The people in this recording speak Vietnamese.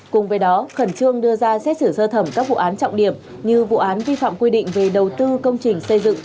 cùng với đó khẩn trương đưa ra xét xử sơ thẩm các vụ án trọng điểm như vụ án vi phạm quy định về đầu tư công trình xây dựng